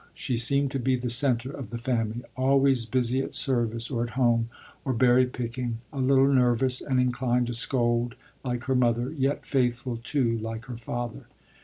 She seemed to be the center of the family: always busy at service, or at home, or berry picking; a little nervous and inclined to scold, like her mother, yet faithful, too, like her father.